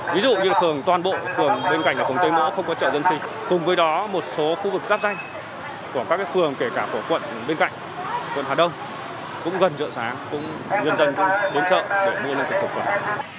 ví dụ như là phường toàn bộ phường bên cạnh ở phòng tây mũa không có chợ dân sinh cùng với đó một số khu vực giáp danh của các cái phường kể cả của quận bên cạnh quận hà đông cũng gần chợ sáng cũng nhân dân cũng đến chợ để mua lương thực thực phẩm